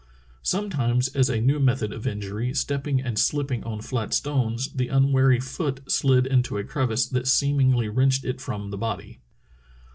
Sometimes as a new method of injury, stepping and slipping on flat stones, the unwary foot slid into a crevice that seem ingly wrenched it from the body."